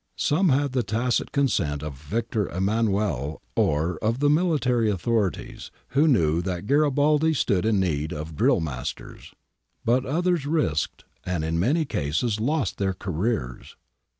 Some had the tacit consent of Victor Emmanuel or of the military authorities, who knew that Garibaldi stood in need of drill masters ;^ but others risked and in many cases lost their careers.